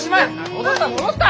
戻った戻った！